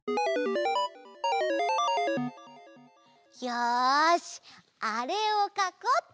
よしあれをかこうっと！